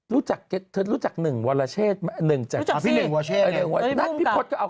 รู้จักเจ็บเธอรู้จักหนึ่งวาลาเชศหนึ่งเจ้าพี่หญิงวาลาเชศเอา